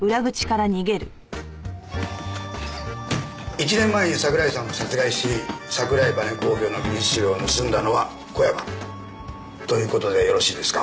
１年前に桜井さんを殺害し桜井バネ工業の技術資料を盗んだのは小山という事でよろしいですか？